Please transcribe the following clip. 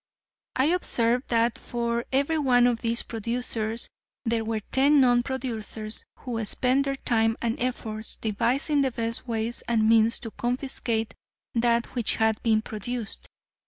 I observed that for every one of these producers there were ten non producers who spent their time and efforts devising the best ways and means to confiscate that which had been produced.